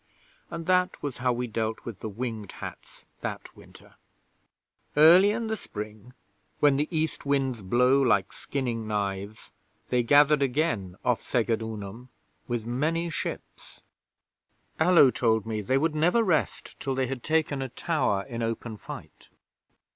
And that was how we dealt with the Winged Hats that winter. 'Early in the spring, when the East winds blow like skinning knives, they gathered again off Segedunum with many ships. Allo told me they would never rest till they had taken a tower in open fight.